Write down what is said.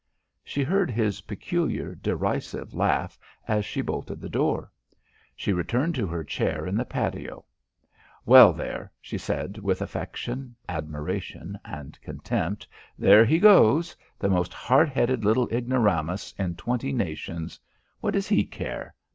She heard his peculiar derisive laugh as she bolted the door. She returned to her chair in the patio. "Well, there," she said with affection, admiration and contempt. "There he goes! The most hard headed little ignoramus in twenty nations! What does he care?